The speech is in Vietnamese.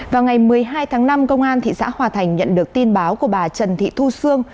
vào ngày một mươi hai tháng năm công an thị xã hòa thành nhận được tin báo của bà trần thị thu sương